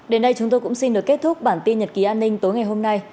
đến đây chúng tôi cũng xin được kết thúc bản tin nhật ký an ninh tối ngày hôm nay